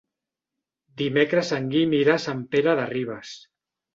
Dimecres en Guim irà a Sant Pere de Ribes.